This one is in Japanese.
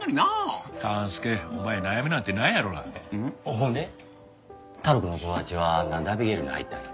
ほんで太郎くんの友達はなんでアビゲイルに入ったんや？